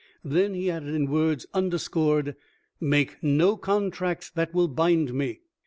Then he added in words under scored, " Make no contracts that will bind me."